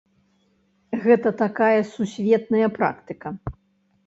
Гэта такая сусветная практыка.